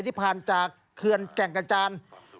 ที่ผ่านจากเขื่อนแก่งกระจาน